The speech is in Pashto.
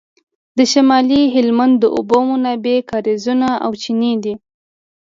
د شمالي هلمند د اوبو منابع کاریزونه او چینې دي